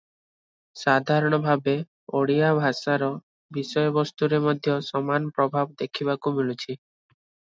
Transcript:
ସାଧାରଣ ଭାବେ ଓଡ଼ିଆ ଭାଷାର ବିଷୟବସ୍ତୁରେ ମଧ୍ୟ ସମାନ ପ୍ରଭାବ ଦେଖିବାକୁ ମିଳୁଛି ।